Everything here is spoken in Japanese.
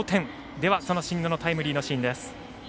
では、その新野のタイムリーのシーンです。